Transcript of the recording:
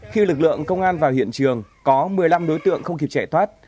khi lực lượng công an vào hiện trường có một mươi năm đối tượng không kịp chạy thoát